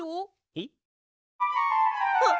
えっ！？